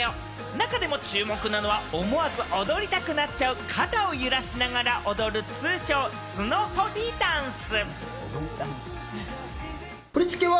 中でも注目なのは、思わず踊りたくなっちゃう、肩を揺らしながら踊る、通称・スノホリダンス。